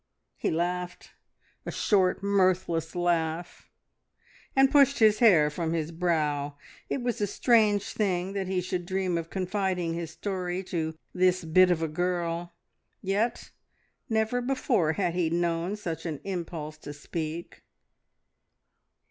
He laughed a short, mirthless laugh and pushed his hair from his brow. It was a strange thing that he should dream of confiding his story to this bit of a girl, yet never before had he known such an impulse to speak.